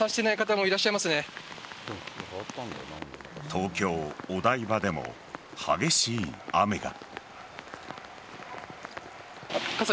東京・お台場でも激しい雨が。